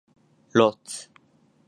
Lotz.